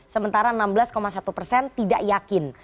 sementara enam belas satu persen tidak yakin